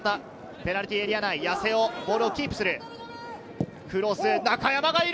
ペナルティーエリア内、八瀬尾、ボールをキープする。